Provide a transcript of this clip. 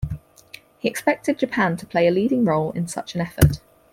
He expected Japan to play a leading role in such an effort.